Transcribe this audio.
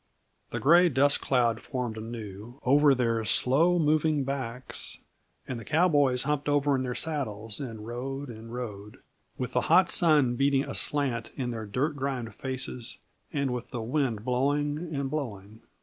The gray dust cloud formed anew over their slowmoving backs, and the cowboys humped over in their saddles and rode and rode, with the hot sun beating aslant in their dirt grimed faces, and with the wind blowing and blowing.